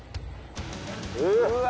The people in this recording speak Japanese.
うわ。